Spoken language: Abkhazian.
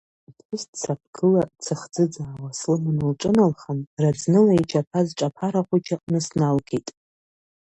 Ари аԥҳәыс дсаԥгыла, дсыхӡыӡаауа слыман лҿыналхан, раӡныла ичаԥаз ҿаԥара хәыҷык аҟны сналгеит.